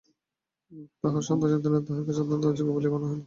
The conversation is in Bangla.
তাঁহার সন্তানসন্ততিরা তাঁহার কাছে অত্যন্ত অযোগ্য বলিয়া মনে হইল।